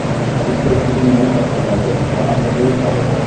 ছোট্ট একটি মেয়ে কষ্ট পাবে, তা হতেই পারে না।